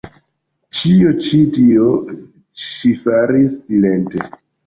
Ĉion ĉi tion ŝi faris silente.